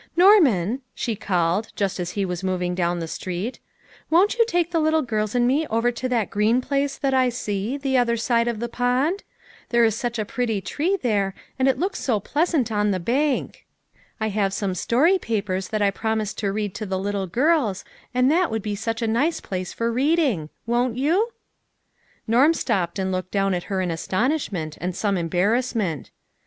"Norman," she called, just as he was moving down the street, " won't you take the little girls and me over to that green place, that I see, the other side of the pond ? There is such a pretty tree there, and it looks so pleasant on the bank. 162 LITTLE FISHKBS: AND THEIB NETS. I have some story papers that I promised to read to the little girls, and that would be such a nice place for reading. Won't you?" Norm stopped and looked down at her in astonishment, and some embarrassment.